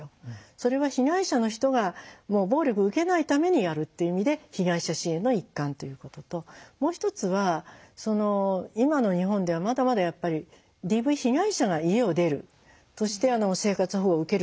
それは被害者の人がもう暴力を受けないためにやるっていう意味で被害者支援の一環ということともう一つは今の日本ではまだまだやっぱりＤＶ被害者が家を出るとして生活保護を受けるって。